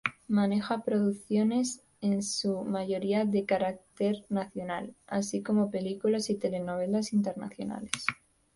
Maneja producciones en su mayoría de carácter nacional, así como películas y telenovelas internacionales.